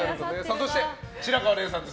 そして白河れいさんです。